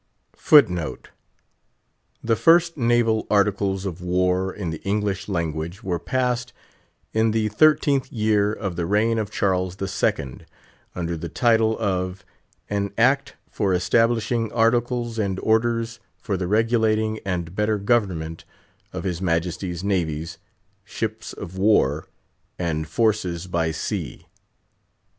The first Naval Articles of War in the English language were passed in the thirteenth year of the reign of Charles the Second, under the title of "_An act for establishing Articles and Orders for the regulating and better Government of his Majesty's Navies, Ships of War, and Forces by Sea_."